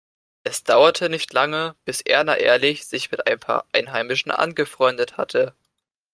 Es dauerte nicht lange, bis Erna Ehrlich sich mit ein paar Einheimischen angefreundet hatte.